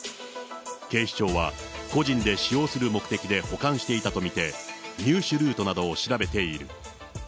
警視庁は個人で使用する目的で保管していたと見て、入手ルートなどを調べている。